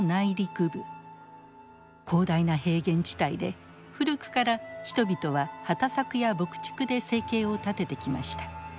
広大な平原地帯で古くから人々は畑作や牧畜で生計を立ててきました。